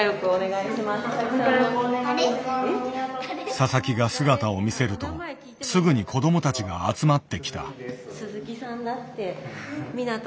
佐々木が姿を見せるとすぐに子どもたちが集まってきた。